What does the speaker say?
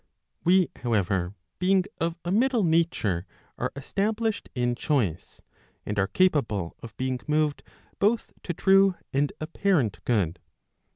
"YVe, however, being of a middle nature are established in choice; and are capable of being moved both to true and apparent good.